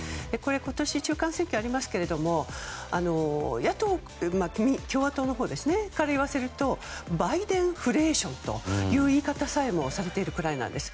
今年、中間選挙ありますけど共和党から言わせるとバイデンフレーションという言い方さえもされているくらいなんです。